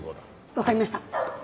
わかりました。